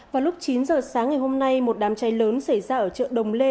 vào lúc chín giờ sáng ngày hôm nay một đám cháy lớn xảy ra ở chợ đồng lê